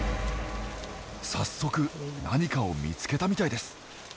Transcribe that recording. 早速何かを見つけたみたいです！